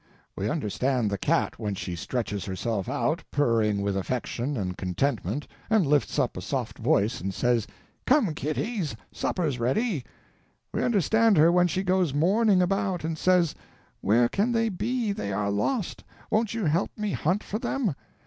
We understand the cat when she stretches herself out, purring with affection and contentment and lifts up a soft voice and says, "Come, kitties, supper's ready"; we understand her when she goes mourning about and says, "Where can they be? They are lost. Won't you help me hunt for them?"